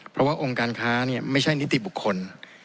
เพราะว่าองค์การค้าไม่ใช่นิติบุคคล